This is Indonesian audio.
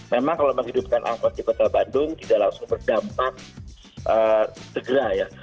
memang kalau menghidupkan angkot di kota bandung tidak langsung berdampak segera ya